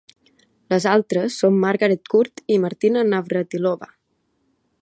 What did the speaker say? Les altres són Margaret Court i Martina Navratilova.